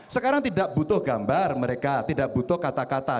sekarang tidak butuh gambar mereka tidak butuh kata kata